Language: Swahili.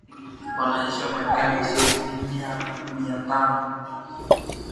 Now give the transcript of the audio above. Wanajeshi wa Marekani wasiozidi mia tano